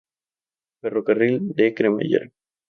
Ferrocarril de cremallera